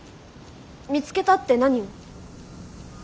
見つけたって何を？